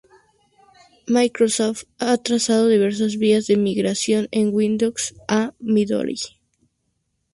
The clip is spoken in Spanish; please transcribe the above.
Microsoft ha trazado diversas vías de migración de Windows a Midori.